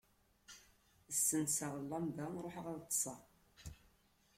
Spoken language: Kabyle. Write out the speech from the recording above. Ssenseɣ llamba, ruḥeɣ ad ṭṭseɣ.